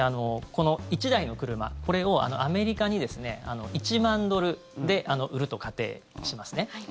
この１台の車、これをアメリカに１万ドルで売ると仮定しますね。